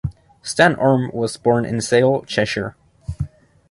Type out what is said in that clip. Stan Orme was born in Sale, Cheshire.